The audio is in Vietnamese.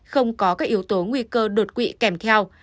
không có các yếu tố nguy cơ đột quỵ kèm theo